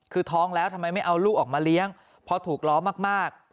คือท้องแล้วทำไมไม่เอาลูกออกมาเลี้ยงเพราะถูกล้อมาก